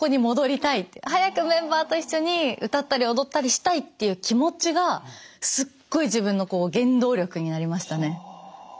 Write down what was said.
早くメンバーと一緒に歌ったり踊ったりしたいっていう気持ちがすっごい自分の原動力になりましたね。